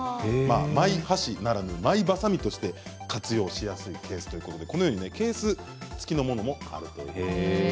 マイ箸ならぬマイバサミとして活用しやすいということでケース付きのものもあるということです。